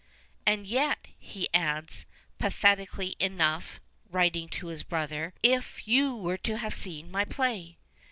''" And yet." he adds, pathetically enough (writing to his brother), " if you were to have seen my play